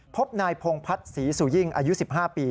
พบนายพงพัฒน์ศรีสุยิ่งอายุ๑๕ปี